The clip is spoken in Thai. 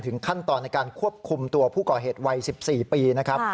ขั้นตอนในการควบคุมตัวผู้ก่อเหตุวัย๑๔ปีนะครับ